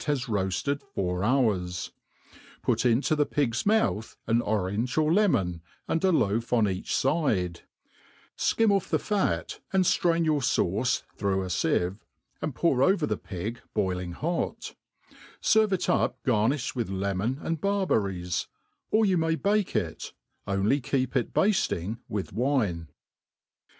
has roafted four hours ; put into the pig's cnouth an orange or lemon, and a loaf on each fidc/; fkim off the fat, and ftrain your fauce through a fieve, and pour over the pig boiling hot; ferve it up garntflied with lemon and barberrieb; or you may bake it, only keep it bafting with wine.